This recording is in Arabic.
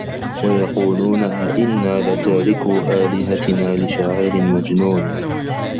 وَيَقولونَ أَئِنّا لَتارِكو آلِهَتِنا لِشاعِرٍ مَجنونٍ